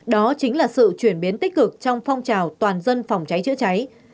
đó chính là sự chuyển biến tích cực trong phong trào toàn dân phòng cháy chữa cháy